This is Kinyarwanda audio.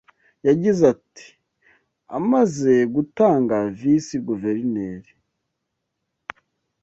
Yagize ati “Amaze gutanga, visi Guverineri